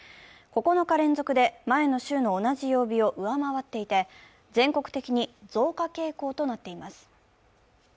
９日連続で前の週の同じ曜日を上回っていて、全国的に増加傾向となっています。